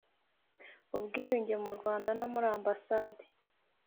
ubwiyunge mu Rwanda no muri Ambasande